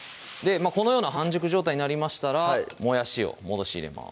このような半熟状態なりましたらもやしを戻し入れます